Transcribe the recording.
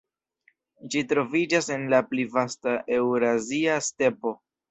Ĝi troviĝas en la pli vasta Eŭrazia Stepo.